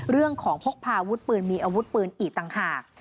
เรื่องของพกพาวุดปืนมีอาวุธปืนอีกต่างหาก